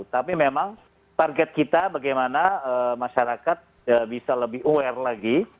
tapi memang target kita bagaimana masyarakat bisa lebih aware lagi